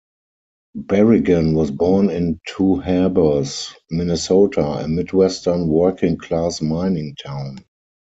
Berrigan was born in Two Harbors, Minnesota, a Midwestern, working-class, mining town.